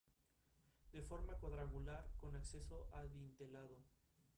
Se distribuye por el Atlántico nororiental.